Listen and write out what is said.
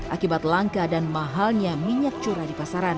akibat langka dan mahalnya minyak curah di pasaran